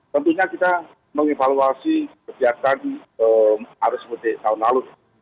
tentunya kita mengevaluasi kegiatan arus mudik tahun lalu